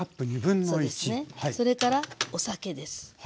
それからお酒です。